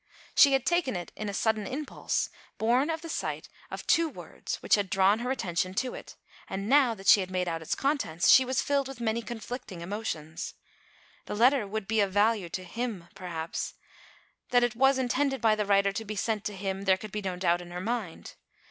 She had taken it, in a sudden impulse, born of the sight of two 56 ALICE ; OR, THE WAGES OF SIN. words, which had drawn her attention to it, and, now that she had made out its contents, she was filled with many conflicting emotions. This letter would be of value to " him," perhaps ; that it was intended by the writer to be sent to him, there could be no doubt in her mind.